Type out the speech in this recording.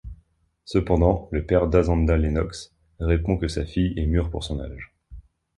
Cependant, le père d'Asanda, Lennox, répond que sa fille est mûre pour son âge.